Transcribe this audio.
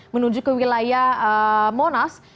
menuju ke wilayah monas